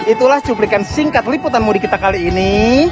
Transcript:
itulah cuplikan singkat liputan mudik kita kali ini